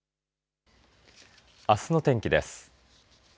あすの天気です。